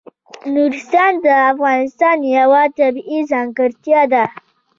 نورستان د افغانستان یوه طبیعي ځانګړتیا ده.